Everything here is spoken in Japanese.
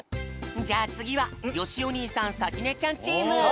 じゃあつぎはよしお兄さんさきねちゃんチーム。